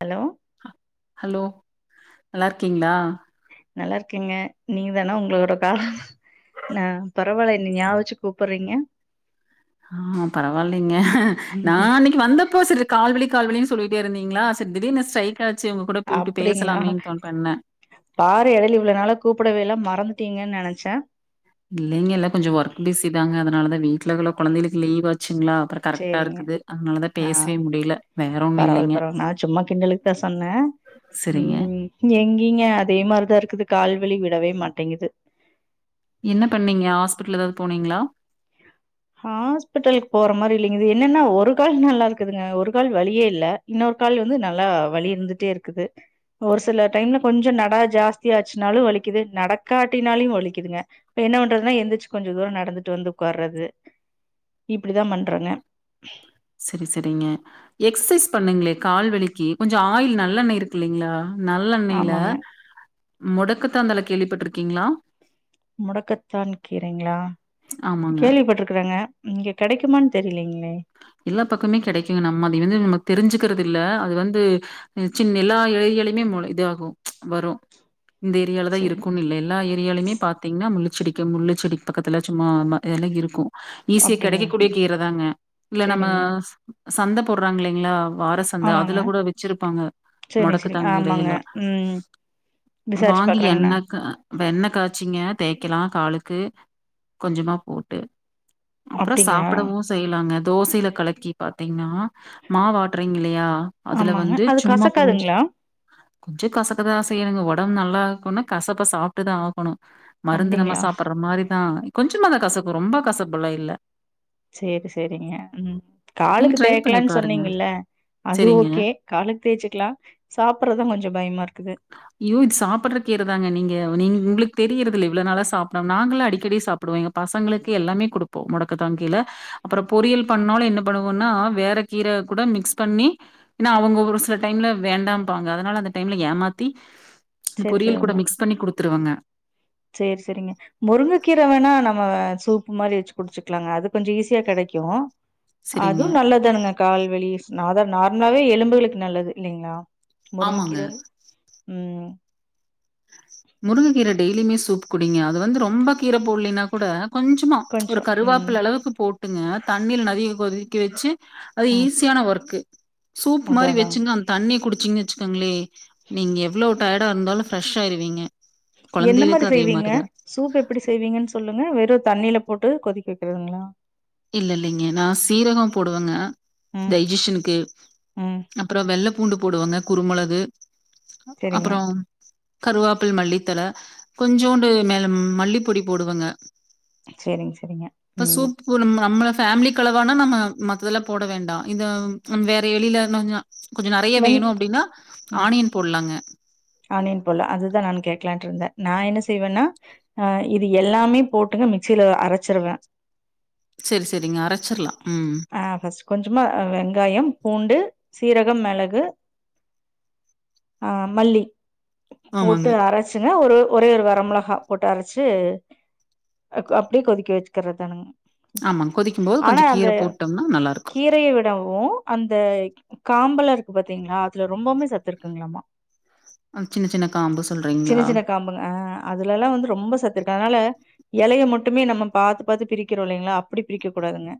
Hello hello நல்லா இருக்கீங்களா நல்லா இருக்கேங்க நீங்கதானா உங்களோட கால் னா பரவால்ல என்ன ஞாபகோ வெச்சு கூப்புடுறீங்க ஹா பரவாயில்லங்க நா அன்னிக்கு வந்தப்போ சரி கால்வலிக் கால்வலின் சொல்லிட்டே இருந்தீங்களா சரி திடீர்னு ஸ்ட்ரைக் ஆய்டிச் அப்பிடீங்களா பாரு எடைல இவ்ளோ நாளா கூப்புடவே இல்ல மற ந்துட்டீங்கனு நெனச்ச இல்லைங்க எல்லா கொஞ்சோ ஒர்க் பிஸிதாங்க அதனால தா வீட்லதுள்ள கொழந்தைங்குளுக்கு லீவ் ஆச் சுங்களா அப்புறோ கரெக்டா சேரிங்க இருக்குது அதனாலதா ஆ பேசவே முடியல வேற ஒன்னோ பரவால்ல இல்லைங்க பரவால்ல நா சும்மா கிண்டலுக்கு தா சொன்னே சரிங்க. ம் எங்கீங்க அதே மாரிதா இருக்குது கால் வெளி விடவே மாட்டேங்குது என்ன பண்ணீங்க ஹாஸ்பிடல் எதாவது போனீங்களா ஹாஸ்பிட்டலுக்கு போற மாரி இல்லைங்க இது எ ன்னன்னா ஒரு கால் நல்லா இருக்குதுங்க ஒரு கால் வலியே இல்ல இன்னொரு கால் வந்து நல்லா வலி இருந்துட்டே இருக்குது ஒரு சில டைம்ல கொஞ்சோ நட ஜாஸ்தியாச்சுனாலு வலிக்குது நடக்காட்டினாலு வலிக்குதுங்க என்ன பண்றதுன்னா எந்திரிச்சு கொஞ்சோ தூரோ நடந்துட்டு வந்து ஒக்காறது இப்டிதா பண்றங்க சரி சரிங்க எக்சைஸ் பண்ணுங்ளே கால்வலிக்கு கொஞ்சோ ஆயில் நல்லெண்ணெய் இருக்கு இல்லைங்களா நல்லெண்ணெயில ஆமாங்க முடக்கத்தா தழ கேள்விப்பட்டுருக்கீங்களா முடக்கத்தான் கீறைங்களா ஆமாங்க கேள்விப்பட்டுருக்குறேங்க இங்க கிடைக்குமானு தெரிலீங்களே எல்லா பக்கமே கெடைக்குங்க நம்ம அது வந்து நமக்கு தெரிஞ்சுக்குறது இல்ல அது வந்து சின்ன எல்லா இழை எலைக்கு எலைமே மொலை இது ஆகோ வரும் இந்த ஏரியால தா சரி இருக்குனு இல்ல எல்லா ஏரியாலுமே பாத்தீங்கனா முள்ளு செடிக்கு முள்ளு செடிக்கு பக்கத்துல சும்மா ஆமா இந்த எலைங்க இருக்கோ ஈஸியா அப்டிங்களா கெடைக்கக்கூடிய ம் கீரதாங்க இல்ல நம்ம சரிங்க சந்த போடுறாங்க இல்லைங்ளா வார சந்த ஆமாங்க அதுல கூட வெச்சிருப்பாங்க சரி சரி முடக்கத்தா கீர ஆமாங்க யெல்லா ம் விசாரிச்சு வாங்கி பாக்குறேங்கண்ணா எண்ன க எண்ண காய்ச்சிங்க தேய்க்கலா காலுக் கு கொஞ்சமா போட்டு அப்புறோ அப்டிங்களா சாப்புடவு செய்யலாங்க மிக்சில கலக்கி பாத்தீங்னா மாவாட்டுறீங்கல்லையா அதுல ஆமாங்க வந்து அது சும்மா கொ கசக்காதுங்களா ஞ்சோ கசக்கதா செய்யணு ஒடம்பு நல்லா இருக்கோனுனா கசப்ப சாப்ட்டுதா ஆகணோ மருந்து நம்ம அப்டிங்களா சாப்புடுற மாதிரிதா கொஞ்சமாதா கசக்கோ ரொம்ப கசப்புல்லா இல்ல செரி சேரிங்க ம் நீங்க காலுக்கு ட்ரை பண்ணி தேக்கலானு பாருங்க. சொன்னீங்ல்ல அது சரிங்க. ஓகே காலுக்கு தேய்ச்சுக்கலா சாப்படுறதா கொஞ்சோ பயமா இருக்குது ஐயோ இது சாப்புடுற கீர தாங்க நீங்க நீங் உங்குளுக்கு தெரியறது இல்ல அதனால சாப்டோ நாங்களா அடிக்கடி சாப்புடுவோ எங்க பசங்குளுக்கு எல்லாமே குடுப்போ முடக்கத்தாங்கீல அப்புறோ பொறியல் பண்ணாலு என்ன பண்ணுவோனா வேற கீர கூட மிக்ஸ் பண்ணி இன்னா அவுங்க ஒரு சில டைம்ல வேண்டாம் பாங்க அதனால அந்த டைம்ல ஏமாத்தி சேரி பொரியல் கூட மிக்ஸ் பண்ணி குடுத்துருவேங்க செரி சேரிங்க முருங்கக்கீர வேணா நம்ம சூப்பு மாரி வெச்சு குடிச்சக்கலாங்க அது கொஞ்சோ ஈஸியா கெடைக்கு கோ சரிங்க. அதுவும் நல்லதுதானுங்க கால்வலி சு நாதான் நார்மலாவே எலும்புகளுக்கு நல்லது இல்லைங்குளா ஆமாங்க. முருங்கக்கீரல உம் முருங்க கீர டெய்லியுமே சூப்பு குடிங்க அது வந்து ரொம்ப கீர போட்லைனா கூட கொஞ்சமா ஒரு கொஞ்சோ ம் கருவாப்பில அளவுக்கு போட்டுங்க தண்ணீல நறைய கொதிக்க வெச்சு அது ம் ஈஸியான ஒர்க்கு சூப் அதா மாரி அதாங்க வெச்சுங்க அந்த தண்ணிய குடு ச்சினு வெச்சுக்கோங்களே நீங்க எவ்வளவு டயர்டா இருந்தாலு ஃபிரஷ் ஆயிருவீங்க என்ன கொழந்தைகளுக்கு மாரி அதே செய்வீங்க மாரிதா சூப் எப்புடி செய்வீங்கனு சொல்லுங்க வெறோ தண்ணீல போட்டு கொதிக்க வைக்கறதுங்களா இல்ல இல்லங்க நா சீரகோ போடுவங்க ம் டைஜிசனுக்கு ம் அப்பறோ வெள்ள பூண்டு போடுவாங்க குருமெளகு சேரிங்க அப்பறோ கருவாப்பில் மல்லித்தல கொஞ்சோண்டு மேல மல்லிப் பொடி போடுவங்க சேரிங்க சரிங்க இப்ப ம் சூப்பு நம் நம்மள ஃபேமிலி் கலவானா நம்ம மத்தெல்ல போட வேண்டா இல்ல வேற எளில நொஞ்சோ கொஞ்சோ நெறைய வெங் வேணு அப்டின்னா ம் ஆனியன் போட்லாங்க க்ளான்ருந்தே நா என்ன செய்வேனா அ இது எல்லாமே போட்டுங்க மிக்சியில அரச்சிருவே செரி செரிங்க அரச்சிர்லா ம் ஆ ஃபஸ்ட் கொஞ்சமா வெங்காயம் பூண்டு சீரகம் மெளகு ஆ மல்லி ஆமாங்க போட்டு அரச்சுங்க ஒரு ஒரே ஒரு வரமொளகா போட்டு அரச்சு க அப் அப்டியே கொதிக்க வக்கிறதானுங்க ஆமாங்க கொதிக்கும் போது ஆனா கொஞ்சோ அந்த கீர போட்டோம்னா நல்லாருக்கு கீரய விடவு அந்த காம்பல இருக்கு பாத்தீங்களா அதுல ரொம்பவுமே சத்து இருக்குங்களாமா அ சின்ன சின்ன காம்பு சொல்றீ சின்ன சின்ன காம்புங்க ஆ அதுல எல்லா வந்து ரொம்ப சத்து இருக்கு அதுனால எலய மட்டுமே நம்ம பாத்து பாத்து பிரிக்கிறோ இல்லேங்ளா அப்டி பிரிக்க கூடாதுங்க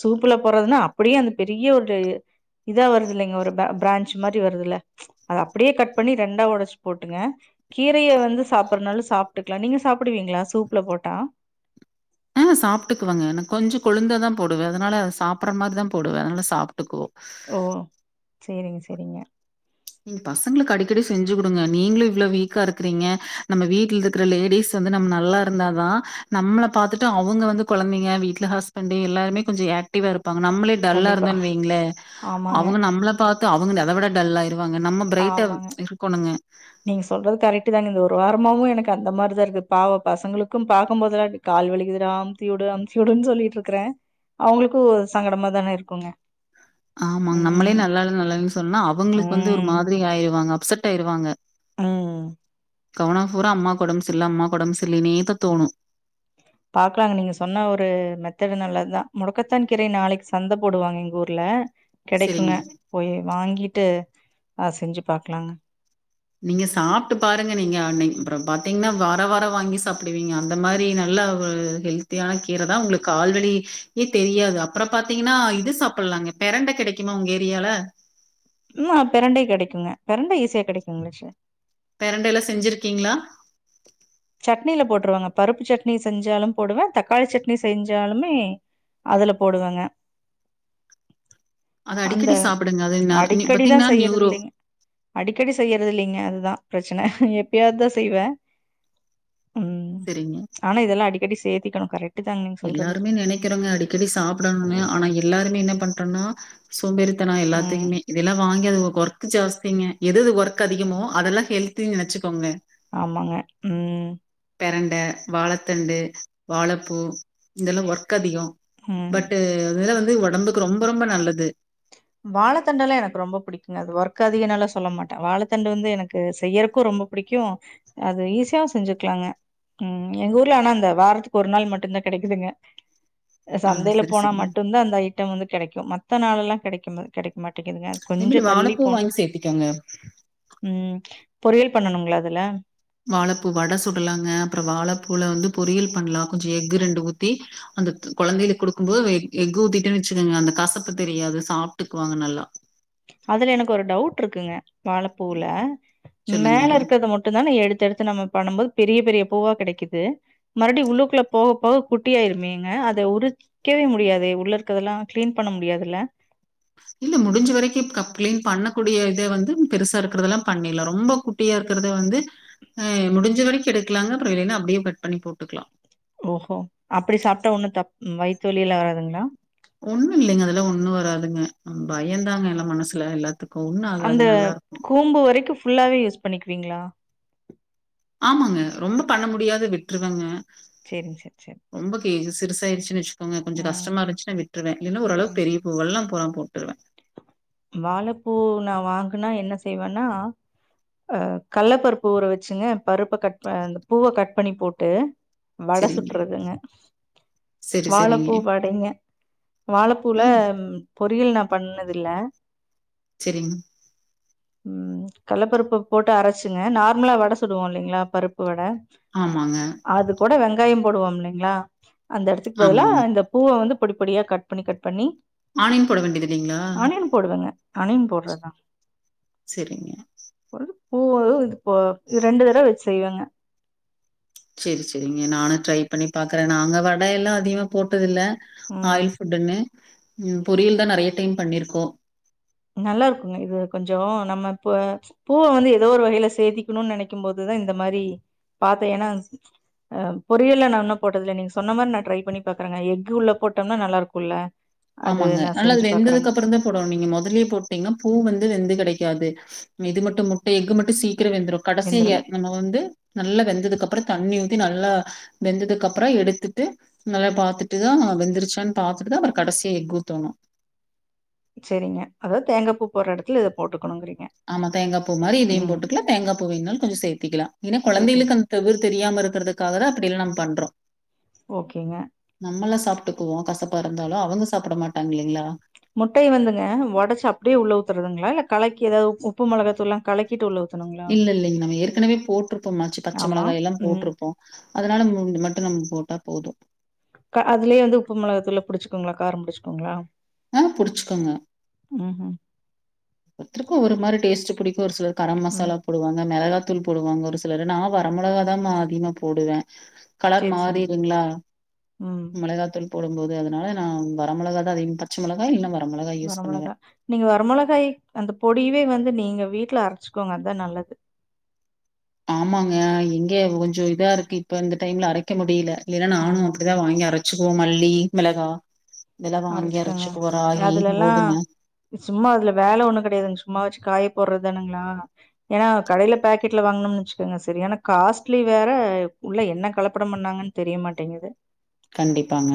சூப்புல போறதுன்னா அப்டியே அந்த பெரிய ஒரு இதா வரு இல்லைங்க ஒரு ப ப்ரான்ச் மாரி வருதுல்ல அது அப்டியே கட் பண்ணி ரெண்டா ஒடச்சு போட்டுங்க கீரய வந்து சாப்பற்றனாலு சாப்ட்டுக்கலா நீங்க சாப்டுவீங்களா சூப்ல போட்டா ஆ சாப்ட்டுக்குவங்க எனக் கொஞ்சொ கொழுந்தா தா போடுவே அதுனால அத சாப்பற்ற மாரிதா போடுவே அதுனால சாப்ட்டுக்குவோ ஓ சேரிங்க சரிங்க நீங்க பசங்களுக்கு அடிக்கடி செஞ்சு குடுங்க நீங்களு இவ்ளோ வீக்கா இருக்குறீங்க நம்ம வீட்ல இருக்குற லேடீஸ் வந்து நம்ம நல்லா இருந்தா தா நம்மள பாத்துட்டு அவுங்க வந்து கொழந்தைங்க வீட்ல ஹஸ்பண்டு எல்லாருமே கொஞ்ச ஏக்டிவா இரு ப்பாங்க நம்மளே டல்லா கண்டிப்பா இருந்தன் வைங்ளே ஆமாங்க அவுங்க நம்மள பாத்து அவுங்க னத விட டல்லா ஆய் ஆமாங்க நீங்க சொல்றது கரெக்ட் தாங்க இந்த ஒரு வாரமாவு எனக்கு அந்த மாரிதா இருக்கு பாவொ பசங்களுக்கும் பாக்கும்போதல்லா கால் வலிகிதுடா அமுத்தி விடு அமுத்தி விடுன்னு சொல்லிட்டு இருக்குறே அவுங்களுக்கு சங்கடமா தான இருக்குங்க ஆமாங்க நம்மளே ம் நல்லால்ல நல்லால்லனு சொன்னா அவங்களுக்கு வந்து ஒரு ம் மாதிரி ஆய்ருவாங்க அப்சட் ஆய்ருவாங்க ம் கவனம் பூரா அம்மாக்கு ஒடம்பு சரில்ல அம்மாக்கு ஒடம்பு சரில்லனே இப்ப தோனு பாக்கலாங்க நீங்க சொன்ன ஒரு மெத்தடு நல்லத்தா முடக்கத்தான் கீரை நாளக்கி சந்த போடுவாங்க எங்க ஊர்ல கெடைக்குங்க செரிங்க போய் வாங்கீட்டு அ செஞ்சு பாக்கலாங்க நீங்க சாப்ட்டு பாருங்க நீங்க அன்னைக் அப்பறோ பாத்தீங்கன்னா வாரோ வாரோ வாங்கி சாப்டுவீங்க அந்த மாரி நல் நல்ல ஒரு ஹெல்த்தியான கீர தா ஒங்களுக்கு ஆல்ரெடி எ தெரியாது அப்பறோ பாத்தீங்கன்னா இது சாப்பல் அங்க பெரண்ட கெடைக்குமா ஒங்க ஏரியால ம் பெரண்டை கெடைக்குங்க பெரண்டை ஈஸியா கெடைக்குங்ளே ஷ பெரண்டைல்ல செஞ்சுருக்கீங்ளா சட்னில போட்டுருவங்க பருப்பு சட்னி செஞ்சாலு போடுவே தக்காளி சட்னி செஞ்சாலுமே அதுல போடுவங்க அத அந்த அடிக்கடி சாப்டுங்க அது ந நீ- அடிக்கடிதா பாத்தீங்கன்னா செய்றது நியூரோ இல்லைங்க அடிக்கடி செய்யறது இல்லைங்க அதுதா பிரச்சன எப்பயாதுதா செய்வே ம் செரிங்க ஆனா இதெல்லா அடிக்கடி சேத்திக்கணு கரெட் எல்லாருமே நெனைக்கிறோங்க அடிக்கடி சாப்டணுனு ஆனா எல்லாருமே என்ன பண்றன்னா சோம்பேறித்தனோ ம். எல்லாத்திக்குமே இதல்லா வாங்கி அத ஒர்க் ஜாஸ்திங்க எதது ஒர்க் அதிகமோ அதல்லா ஹெல்தின்னு நெனச்சிக்கோங்க ஆமாங்க ம் பெரண்ட வாழத்தண்டு வாழப்பூ இதல்லா ஒர்க் அதிகோ ம். பட் அதல்லா வந்து ஒடம்புக்கு ரொம்ப ரொம்ப நல்லது வாழத்தண்டெல்லா எனக்கு ரொம்ப பிடிக்குங்க அது ஒர்க்கு அதிகோனாலா சொல்ல மாட்டே வாழத்தண்டு வந்து எனக்கு செய்யறக்கு ரொம்ப ரொம்ப பிடிக்கு அது ஈஸியா செஞ்சுக்லாங்க ம் எங்க ஊர்ல ஆனா இந்த வாரத்துக்கு ஒரு நாள் மட்டுதா கெடைக்குதுங்க ஆ அசந்தையில சரி போனா சரிங்க. மட்டுந்தா அந்த ஐட்டோ வந்து கெடைக்கு மத்த நாளெல்லா கெடைக்குமா கெடைக் மாட் டகிதுங்க அது கொஞ்சோ அதேமாரி தள்ளி வாழைப்பூ போனு வாங்கி சேத்துக்கோங்க. ம் பொறியல் பண்ணணும்ங்ளா அதுல வாழப்பூ வட சுடலாங்க அப்பறோ வாழப்பூல வந்து பொரியல் பண்லா கொஞ்சோ எக்கு ரெண்டு ஊத்தி அந்த கொழந்தைல்ளுக் குடுக்கும்போது எக் எக்கு ஊத்திட்டோன் வெச்சுக்கோங்க அந்த கசப்பு தெரியாது சாப்ட்டுக்வாங்க நல்லா அதுல எனக்கு ஒரு டவுட் ருக்குங்க வாழப்பூவுல சொல்லுங்க. மேல இருக்கற்த மட்டுந்தான எடு தெடுத்து நம்ம பண்ணும் போது பெரிய பெரிய பூவா கெடைக்குது மறுப்டி உள்ளூக்குள்ள போக போக குட்டியாயிருமேங்க அத உறிக்கவே முடியாதே உள்ள இருக்கதெல்லா க்ளீன் பண்ண முடியாதுல்ல இல்ல முடிஞ்ச வரைக்கி கப் க்ளீன் பண்ணக்கூடிய இத வந்து பெருசா இருக்கறதெல்லா பண்ணிலா ரொம்ப குட்டியா ருக் கறத வந்து ஆ முடிஞ்ச வரைக் எடுக்லாங்க அப்றோ இல்லேன்னா அப்டியே கட் பண்ணி போட்டுக்லா ஓஹோ அப்படி சாப்ட்டா ஒண்ணு தப் ம் வயித்வலில்லா வராதுங்ளா ஒண்ணு இல்லைங்க அதெல்லா ஒண்ணு வராதுங்க ம் பயந்தாங்க எல்லா மனசுல எல்லாத்துக் அந்த கூம்பு வரைக்கு ஃபுல்லாவே யூஸ் பண்ணிக்குவீங்ளா ஆமாங்க ரொம்ப பண்ண முடியாது விட்ருவேங்க செரிங் செர் ரொம்ப கே இது சிறுசாயிடுச்சின் வச்சிகோங்க கொஞ்சோ ம் கஸ்டமா இருந்ச்சினா விட்ருவே இல்லேன்னா ஓரளவுக் ம் பெரிய பூவெல்லா [unintelligible] போட்டுக்கலா வாழப்பூ நா வாங்குனா என்ன செய்வேனா ஆ கள்ளப்பருப்பு ஊற வெச்சுங்க பருப்ப கட் அந்த பூவ கட் பண்ணி போட்டு வட சரிங்க. சுட்டுறதுங்க சரி, சரிங்க. வாழப்பூ வடைங்க வாழப்பூல ம் பொரியல் நா பண்ணதில்ல செரிங் ம் கள்ளப்பருப்பு போட்டு அரச்சிங்க நார்மலா வட சுடுவோ இல்லைங்ளா பருப்பு வட ஆமாங்க, அது கூட வெங்காயம் போடுவோ மில்லைங்ளா அந்த எடத்துக் பதிலா ஆமாங்க. இந்த பூவ வந்து பொடி பொடியா கட் பண்ணி கட் பண்ணி ஆனியன் போட வேண்டிதில்லைங்ளா ங்க ஆனியன் போட்றத்தா செரிங்க பூவ இது இப்போ இது ரெண்டு தடவ வெச் செய்வேங்க செரி செரிங்க நானு ட்ரை பண்ணி பாக்குறே நாங்க வடை எல்லா அதிக்மா போட்டதில்ல ம் ஆயில் ஃபுட்டுன்னு ம் பொரியல் தா நெறைய டைம் பண்ணிருக்கோ நல்லா இருக்குங்க இது கொஞ்சோ நம்ம இப்ப பூவ வந்து எதோ ஒரு வகையில சேதிக்கணுன் நெனைக்கும் போது தா இந்த மாரி பாத்த ஏனா அ பொரியல்ல நா இன்னு போட்டதில்ல நீங்க சொன்ன மாரி நா ட்ரை பண்ணி பாக்குறேங்க எக்கு உள்ள போட்டோம்னா நல்லருக்குல ஆமாங்க ஆனால அது வெந்ததுக்கு அப்புறந்தா போடோன் நீங்க மொதல்யே போட்டீங்னா பூ வந்து வெந்து கெடைக்காது இது மட்டு முட்ட எக்கு மட் டு சீக்கிர வெந்துரோ வெந்துருங்க கடைசிய நம்ம வந்து நல்லா வெந்ததுக்கு அப்புற தண்ணி ஊத்தி நல்லா வெந்ததுக்கு அப்புற எடுத்துட்டு நல்லா பாத்துட்டு தா வெந்துருச்சான் பாத்தட்டு தா அப்பறோ கடசிய எக்கு ஊதோனோ செரிங்க அதாவ்து தேங்கா பூ போட்ற எடத்ல இத போட்டுக்கணுங்கிறீங் ஆமா தேங்கா பூ மாரி இதையு போட்டுக்லா தேங்கா பூ வேனாலு கொஞ்சோ சேத்திக்கலா ஏன்னா சரி. கொழந்தைகளுக் அந்த தகுர் தெரியாம ரு க்கிறதுக்காகதா அப்படில் நம் பண்றோ ஓகேங்க. நம்மல்லா சாப்ட்டுக்குவோ கசப் பா இருந்தாலு அவங்க சாப்பிட மாட்டாங்கில்லைங்ளா முட்டைய வந்துங்க ஒடச் அப்டியே உள்ள ஊத்துறதுங்ளா இல்ல கலக்கி எதாவ் உப்பு மொளகத்தூள்லா கலக்கிட்டு உள்ள ஊ இல்ல இல்லைங் நா ஏற்கனவே போட்ருப்போம்மாச்சி பச்ச ஆமா. மிளகா எல்லாமே ம். போட்ருப்போ அதனால மு மட்டு நம் போட்டா போது க அதுலியே வந்து உப்பு மெளகத்தூள்லா புடிச்சுக்கோங்ளா காரோ புடிச்சுக்கோங்ளா அ புடிச்சுக்கோங்க ம் ம் ஒருத்தருக்கு ஒவ்வோரு மாரி டேஸ்ட்டு பிடிக்கோ ஒரு சிலர் கரம் ம். ம் மசாலா போடுவாங்க மெளகா தூள் போடுவாங்க ஒரு சிலரு நா வர மொளகாதா மா அதிகமா போடுவே கலர் சரி, சரிங்க. மாறிருங்களா ம். மெளகாத்தூள் போடும்போது அதனால நா வர மொளகா தா அதிக பச்ச மெளகா இல்ல வர மொளகா யூஸ் பண்ணுவே வரமொளகா நீங்க வரமொளகாய் அந்த பொடிவவே வந்து நீங்க வீட்ல அரச்சுக்கோங்க அதா நல்லது ஆமாங்க எங்க கொஞ்சோ இதா இருக்கு இப்ப இந்த டைம்ல அரைக்க முடியுல இல்ல நானோ ம். அப்டிதா வாங்கி அரச்சிக்குவோ மல்லி மெளகா இதுல வாங்கி அரைச்சுக்கங்க. அரச்சிக்குவோ ராகி அதுலலாம் கோதும சும்மா அதுல வேல ஒண்ணு கெடையாதுங்க சும்மா வெச்சு காய போடுறதுதானுங்களா ஏன்னா கடையில பேக்கெட்ல வாங்கணும்னு வெச்சுக்கோங்க சரியான காஸ்ட்லி வேற உள்ள என்ன கலப்படம் பண்ணாங்கன்னு தெரியமாட்டேங்குது கண்டிப்பாங்க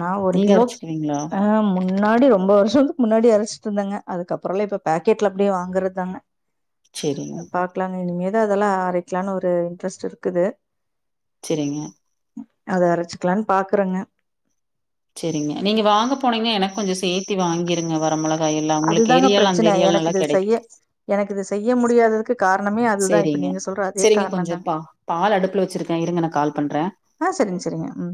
நா ஒரு நீங்க கிலோ அரைச்சுக்குவீங்களா ஆ முன்னாடி ரொம்போ வருஷத்துக்கு முன்னாடி அரச்சிட்ருந்தேங்க அதுக்கப்புறல இப்போ பேக்கெட்ல அப்படியே வாங்குறதாங்க செரிங்க பாக்கலாங்க இனிமேதா அதெல்லா அரைக்கலானு ஒரு இன்ட்ரெஸ்ட் இருக்குது செரிங்க அத அரச்சுக்கலானு பாக்குறேங்க செரிங்க நீங்க வாங்க போனீங்க எனக்கு கொஞ்சோ சேத்தி வாங்கிருங்க வர மொள காயே எல்லா உங்களுக்கு அதுதாங்க ஏரியால அந்த பிரச்சன ஏரியால எனக்கு நல்லா இது கெடைக் செய்ய எனக்கு இது செய்ய முடியாததுக்கு காரணமே அதுதா இப்ப செரிங்க நீங்க சொல்ற அதே செரிங்க கொஞ்சோ காரணந்தாங்க பா பால் அடுப்புல வெச்சிரு க்க இருங்க நா கால் பண்றே ஆ செரிங்க செரிங்க ம்